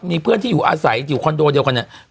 มีเพื่อนที่อยู่อาศัยอยู่คอนโดเดียวกันเนี่ย